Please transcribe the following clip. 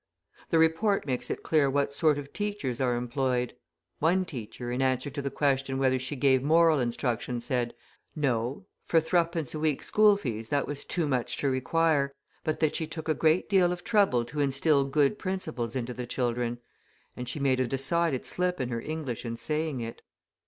The report makes it clear what sort of teachers are employed. One teacher, in answer to the question whether she gave moral instruction, said, No, for threepence a week school fees that was too much to require, but that she took a great deal of trouble to instil good principles into the children. (And she made a decided slip in her English in saying it.)